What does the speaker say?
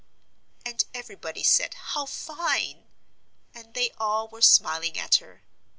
And everybody said, "How fine!" And they all were smiling at her.